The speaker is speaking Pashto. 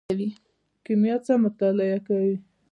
کیمیا څه مطالعه کوي؟